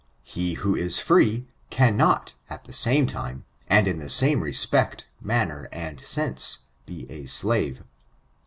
He who is free, cannot, at the same time, and in the same respect, manner, and sense, be a slave.